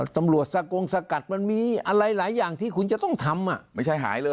ทำรวจสะกงสะกัดมันมีอะไรหลายอย่างที่คุณจะต้องทำ